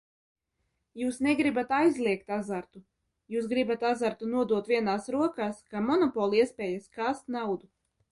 Jūs negribat aizliegt azartu, jūs gribat azartu nodot vienās rokās kā monopoliespējas kāst naudu.